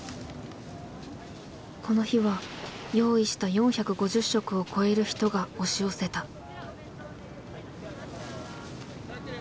この日は用意した４５０食を超える人が押し寄せた。